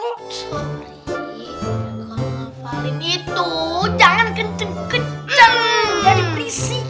sorry kalau ngapalin itu jangan kenceng kenceng jadi perisi